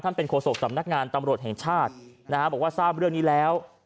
เป็นโฆษกสำนักงานตำรวจแห่งชาตินะฮะบอกว่าทราบเรื่องนี้แล้ว